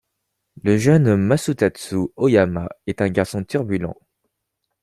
Le jeune Masutatsu Ōyama est un garçon turbulent.